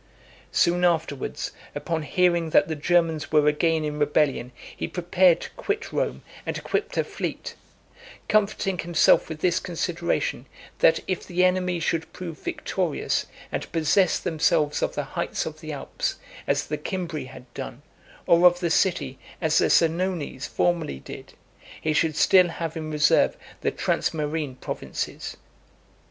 Soon afterwards, upon hearing that the Germans were again in rebellion, he prepared to quit Rome, and equipped a fleet; comforting himself with this consideration, that if the enemy should prove victorious, and possess themselves of the heights of the Alps, as the Cimbri had done, or of the city, as the Senones formerly did, he should still have in reserve the transmarine provinces .